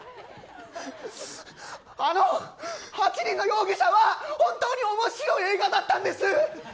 ８人の容疑者は、本当に面白い映画だったんです。